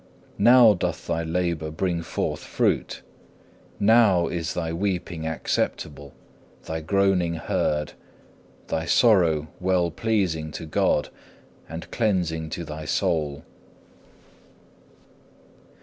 Now doth thy labour bring forth fruit, now is thy weeping acceptable, thy groaning heard, thy sorrow well pleasing to God, and cleansing to thy soul.